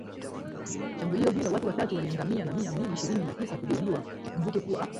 shambulio hilo watu watatu waliangamia na mia mbili ishirini na tisa kujeruhiwa Ikumbukwe kuwa